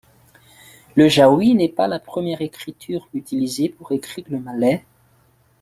Le jawi n'est pas la première écriture utilisée pour écrire le malais.